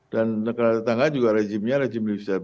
dan negara tetangga juga rejimnya rejimnya bisa bebas